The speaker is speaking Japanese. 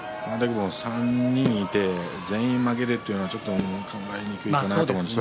３人いて全員負けるというのは考えにくいですね。